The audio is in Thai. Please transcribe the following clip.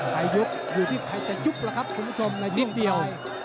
ไข่ยุบอยู่ที่ไข่จะยุบล่ะครับคุณผู้ชมในช่วงปล่อย